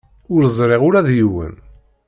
Ur zṛiɣ ula d yiwen.